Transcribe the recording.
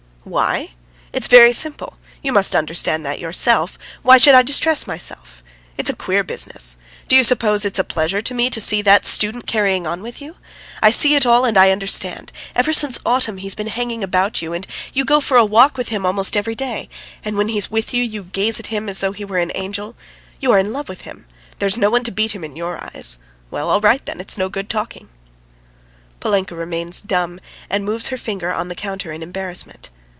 "Why? It's very simple. You must understand that yourself. Why should I distress myself? It's a queer business! Do you suppose it's a pleasure to me to see that student carrying on with you? I see it all and I understand. Ever since autumn he's been hanging about you and you go for a walk with him almost every day; and when he is with you, you gaze at him as though he were an angel. You are in love with him; there's no one to beat him in your eyes. Well, all right, then, it's no good talking." Polinka remains dumb and moves her finger on the counter in embarrassment.